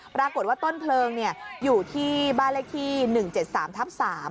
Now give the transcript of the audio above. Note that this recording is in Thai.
ปรากฏว่าต้นเพลิงอยู่ที่บ้านเลขที่๑๗๓ทับ๓